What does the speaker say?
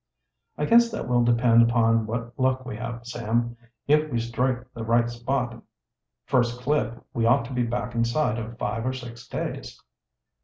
"I guess that will depend upon what luck we have, Sam. If we strike the right spot first clip we ought to be back inside of five or six days."